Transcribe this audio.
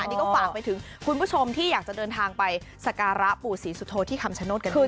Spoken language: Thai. นี่ก็ฝากไปถึงคุณผู้ชมที่อยากจะเดินทางไปสการะปู่ศรีสุโธที่คำชโนธกันด้วย